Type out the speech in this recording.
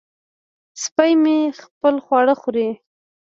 سپی مې خپل خواړه خوري.